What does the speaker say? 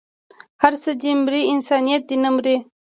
هر څه دې مري انسانيت دې نه مري